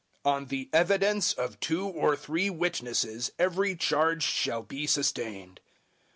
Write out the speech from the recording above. "On the evidence of two or three witnesses every charge shall be sustained."